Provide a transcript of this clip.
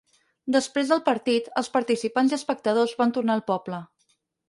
Després del partit, els participants i espectadors van tornar al poble.